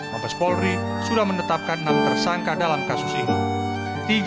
mabes polri sudah menetapkan enam tersangka dalam kasus ini